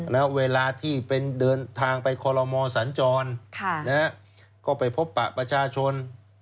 แล้วเวลาที่เป็นเดินทางไปคอลโลมอสัญจรก็ไปพบปะประชาชน